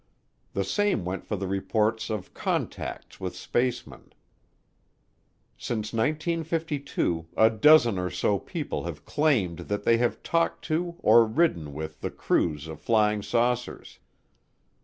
The same went for the reports of "contacts" with spacemen. Since 1952 a dozen or so people have claimed that they have talked to or ridden with the crews of flying saucers.